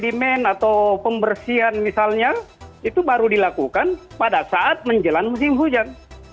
jadi pengendalian atau pembersihan misalnya itu baru dilakukan pada saat menjelang musim hujan